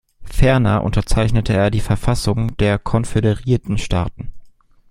Ferner unterzeichnete er die Verfassung der Konföderierten Staaten.